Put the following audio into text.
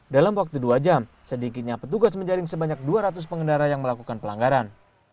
dalam waktu dua jam sedikitnya petugas menjaring sebanyak dua ratus pengendara yang melakukan pelanggaran